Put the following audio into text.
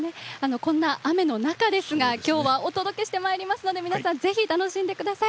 こんな雨のなかですが、今日はお届けしてまいりますので、皆さんぜひ楽しんでください。